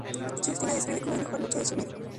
Justin la describe como "la mejor noche de su vida.